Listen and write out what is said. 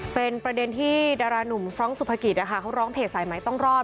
เป็นประเด็นที่ดารานุ่มฟรองกสุภกิจเขาร้องเพจสายไหมต้องรอด